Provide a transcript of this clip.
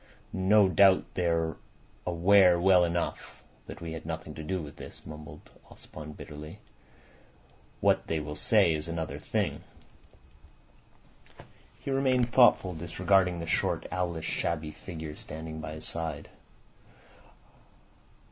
"No doubt they are aware well enough that we had nothing to do with this," mumbled Ossipon bitterly. "What they will say is another thing." He remained thoughtful, disregarding the short, owlish, shabby figure standing by his side.